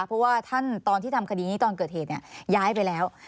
เพราะว่าท่านตอนที่ทำคดีนี้ตอนเกิดเหตุย้ายไปแล้ว